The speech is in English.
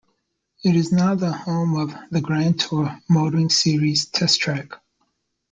It is now the home of "The Grand Tour" motoring series' test track.